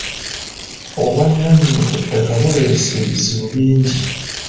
Obwannannyini ku ttaka buleese ebizibu bingi.